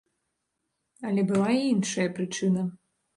Але была і іншая прычына.